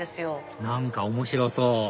何か面白そう！